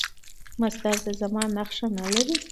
مصدر د زمان نخښه نه لري.